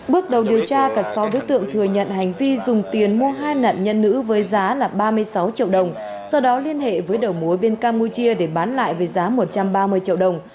bước đầu điều tra cả sáu đối tượng thừa nhận hành vi dùng tiền mua hai nạn nhân nữ với giá ba mươi sáu triệu đồng sau đó liên hệ với đầu mối bên campuchia để bán lại với giá một trăm ba mươi triệu đồng